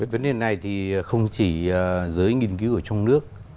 vấn đề này thì không chỉ giới nghiên cứu ở trong nước